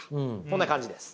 こんな感じです。